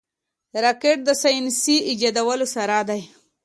راکټ د ساینسي ایجاداتو سر دی